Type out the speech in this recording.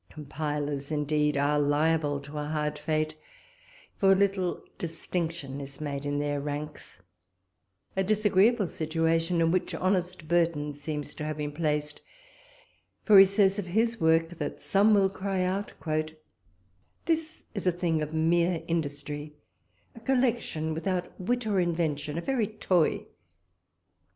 Compilers, indeed, are liable to a hard fate, for little distinction is made in their ranks; a disagreeable situation, in which honest Burton seems to have been placed; for he says of his work, that some will cry out, "This is a thinge of meere industrie; a collection without wit or invention; a very toy!